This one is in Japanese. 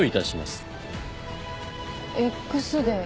Ｘデー。